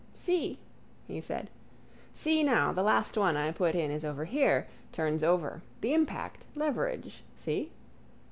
—See? he said. See now the last one I put in is over here: Turns Over. The impact. Leverage, see?